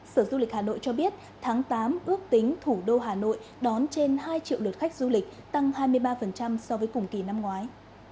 sở du lịch hà nội cho biết tháng tám ước tính thủ đô hà nội đón trên hai triệu lượt khách du lịch tăng hai mươi ba so với cùng kỳ năm ngoái